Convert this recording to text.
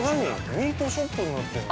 ミートショップになってんだ。